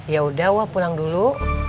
yaudah gua pulang dulu